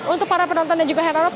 untuk para penonton dan juga heran of